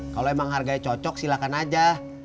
kalau emang harganya cocok silakan aja